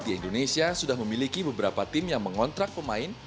di indonesia sudah memiliki beberapa tim yang mengontrak pemain